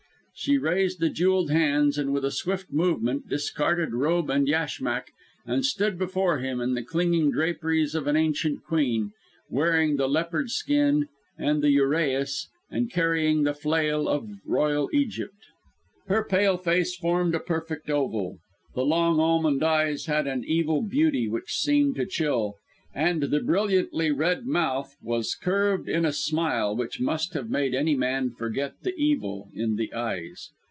She raised the jewelled hands, and with a swift movement discarded robe and yashmak, and stood before him, in the clinging draperies of an ancient queen, wearing the leopard skin and the uraeus, and carrying the flail of royal Egypt! Her pale face formed a perfect oval; the long almond eyes had an evil beauty which seemed to chill; and the brilliantly red mouth was curved in a smile which must have made any man forget the evil in the eyes.